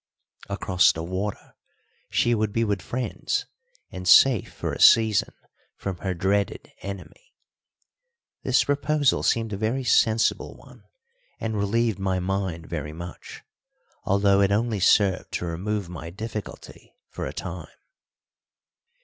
Across the water she would be with friends and safe for a season from her dreaded enemy. This proposal seemed a very sensible one, and relieved my mind very much, although it only served to remove my difficulty for a time.